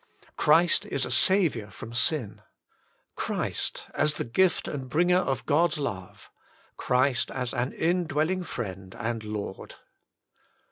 Christ is a Saviour from sin. Christ as the gift and bringer of God's love. Christ as an indwelling Friend and Lord.